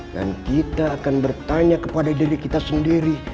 dan kita akan bertanya kepada diri kita sendiri